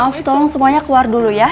maaf tolong semuanya keluar dulu ya